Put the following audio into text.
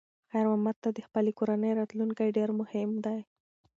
خیر محمد ته د خپلې کورنۍ راتلونکی ډېر مهم دی.